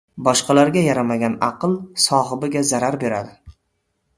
• Boshqalarga yaramagan aql sohibiga zarar beradi.